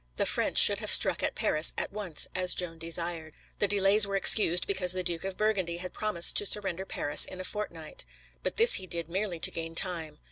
The French should have struck at Paris at once, as Joan desired. The delays were excused because the Duke of Burgundy had promised to surrender Paris in a fortnight. But this he did merely to gain time.